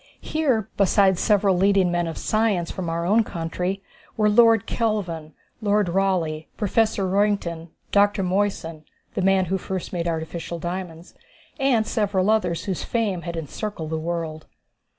Here, besides several leading men of science from our own country, were Lord Kelvin, Lord Rayleigh, Professor Roentgen, Dr. Moissan the man who first made artificial diamonds and several others whose fame had encircled the world.